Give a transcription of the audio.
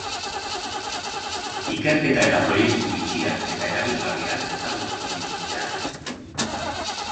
Ikerketa eta proiektu bitxiak eta erabilgarriak ezagutuko dituzte han.